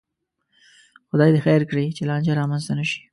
خدای دې خیر کړي، چې لانجه را منځته نشي